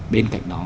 bên cạnh đó